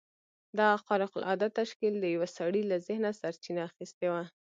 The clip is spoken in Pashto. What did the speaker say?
دغه خارق العاده تشکيل د يوه سړي له ذهنه سرچينه اخيستې وه.